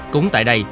cũng tại đây